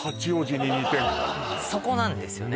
そこなんですよね